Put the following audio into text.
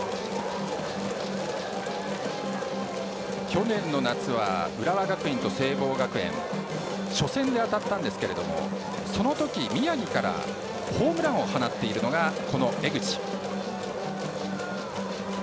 去年の夏は浦和学院と聖望学園初戦で当たったんですけどそのとき宮城からホームランを放っているのがこの江口。